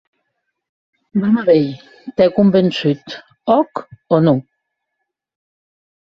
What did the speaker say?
Vam a veir, t’é convençut, òc o non?